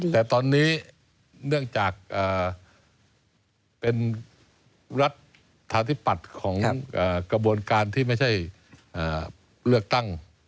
แต่ตอนนี้เนื่องจากเป็นรัฐาธิปัตย์ของกระบวนการที่ไม่ใช่เลือกตั้ง